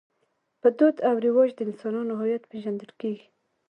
په دود او رواج د انسانانو هویت پېژندل کېږي.